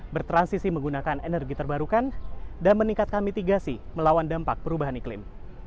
bertransisi menggunakan energi terbarukan dan meningkatkan mitigasi melawan dampak perubahan iklim